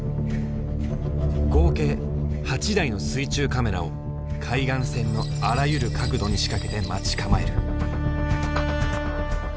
合計８台の水中カメラを海岸線のあらゆる角度に仕掛けて待ち構える。